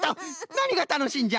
なにがたのしいんじゃ？